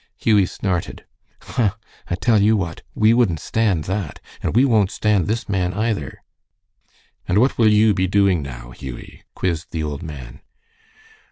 Hughie snorted. "Huh! I tell you what, we wouldn't stand that. And we won't stand this man either." "And what will you be doing now, Hughie?" quizzed the old man.